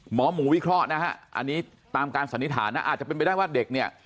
หมอหมูวิเคราะห์นะฮะอันนี้ตามการสันนิษฐานนะอาจจะเป็นไปได้ว่าเด็กเนี่ย